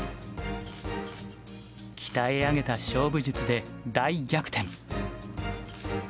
鍛え上げた勝負術で大逆転。